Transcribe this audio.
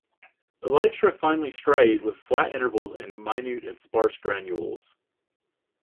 Elytra finely striate with flat intervals and minute and sparse granules.